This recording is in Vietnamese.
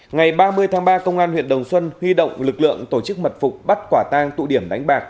ngày ba mươi tháng ba công an huyện đồng xuân huy động lực lượng tổ chức mật phục bắt quả tang tụ điểm đánh bạc